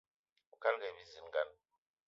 Oukalga aye bizilgan.